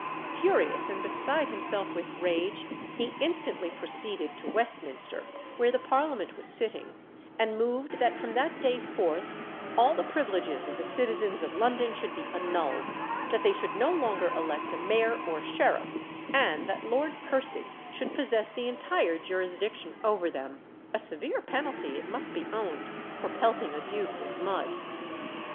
Furious and beside himself with rage, he instantly proceeded to Westminster, where the Parliament was sitting, and moved that from that day forth all the privileges of the citizens of London should be annulled, that they should no longer elect a mayor or sheriff, and that Lord Percy should possess the entire jurisdiction over them a severe penalty, it must be owned, for pelting a duke with mud.